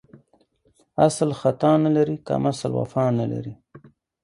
اسل ختا نه لري ، کمسل وفا نه لري.